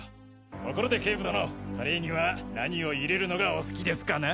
ところで警部殿カレーには何を入れるのがお好きですかな？